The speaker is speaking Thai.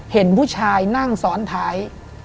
เห็นผู้ชายนั่งซ้อนท้าย